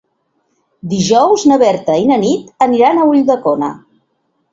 Dijous na Berta i na Nit aniran a Ulldecona.